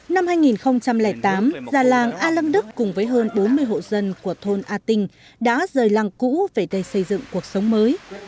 năm hai nghìn tám già làng a lăng đức cùng với hơn bốn mươi hộ dân của thôn a tinh đã rời làng cũ về đây xây dựng cuộc sống mới